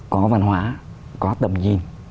có văn hóa có tầm nhìn